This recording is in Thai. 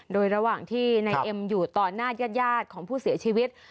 โดยระหว่างที่นายเอ็มอยู่ต่อหน้าญาติของผู้เสียชีวิต